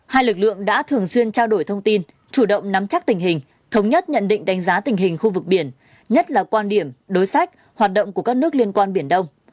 hai lực lượng đã thường xuyên trao đổi thông tin chủ động nắm chắc tình hình thống nhất nhận định đánh giá tình hình khu vực biển nhất là quan điểm đối sách hoạt động của các nước liên quan biển đông